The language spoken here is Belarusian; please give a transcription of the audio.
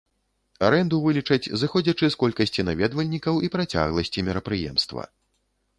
Арэнду вылічаць, зыходзячы з колькасці наведвальнікаў і працягласці мерапрыемства.